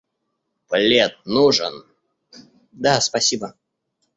«Плед нужен?» — «Да, спасибо».